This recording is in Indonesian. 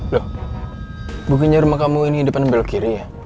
loh mungkin rumah kamu ini depan belok kiri ya